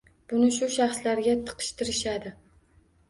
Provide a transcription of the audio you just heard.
Buni shu shaxslarga tiqishtirishadi.